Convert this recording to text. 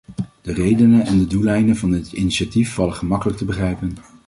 De redenen en de doeleinden van dit initiatief vallen gemakkelijk te begrijpen.